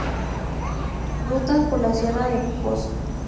Rutas por la Sierra del Pozo